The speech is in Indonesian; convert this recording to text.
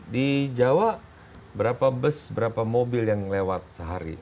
di jawa berapa bus berapa mobil yang lewat sehari